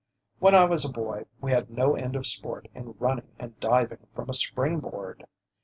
When I was a boy we had no end of sport in running and diving from a springboard.